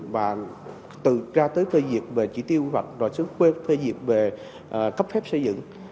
và từ ra tới phê diệt về chỉ tiêu hoạch rồi xứ phê diệt về cấp phép xây dựng